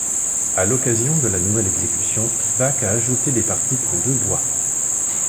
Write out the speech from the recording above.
À l'occasion de la nouvelle exécution, Bach a ajouté des parties pour deux bois.